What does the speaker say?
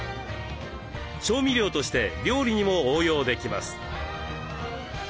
調味料として料理にも応用できます。